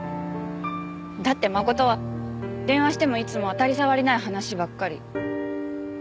だって真琴は電話してもいつも当たり障りない話ばっかり。